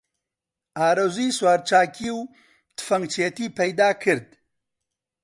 ئارەزووی سوارچاکی و تفەنگچێتی پەیدا کرد